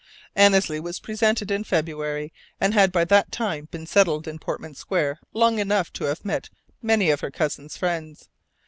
Annesley was presented in February, and had by that time been settled in Portman Square long enough to have met many of her cousins' friends.